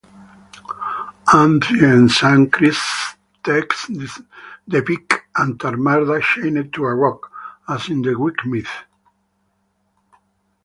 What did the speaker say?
Ancient Sanskrit texts depict Antarmada chained to a rock, as in the Greek myth.